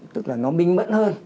tức là nó minh mẫn hơn